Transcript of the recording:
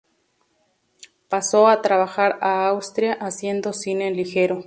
Pasó a trabajar a Austria, haciendo cine ligero.